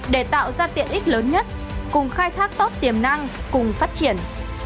để tạo ra tiện ích lớn nhất cùng khai thác tốt tiềm năng cùng phát triển